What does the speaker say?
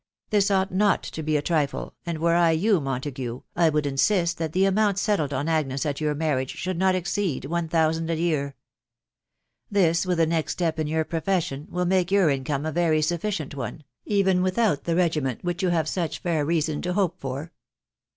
•.. This ought not to be a trifle, and were I you, Montague, I would insist that the amount settled on Agnes at your marriage should Dot exceed one thousand a year. ... This, with the next step in your profession, will make your jayrmr a very, sufficient one, even without the regiment wbich^rou have such fair cea~ von to hope for."